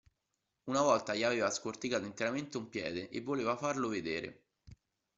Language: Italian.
Una volta gli aveva scorticato interamente un piede, e voleva farlo vedere.